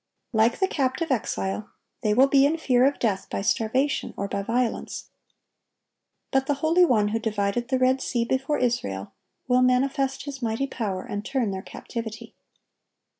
Like the captive exile, they will be in fear of death by starvation or by violence. But the Holy One who divided the Red Sea before Israel, will manifest His mighty power and turn their captivity.